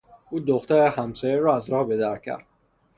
او دختر همسایه را از راه به در کرد.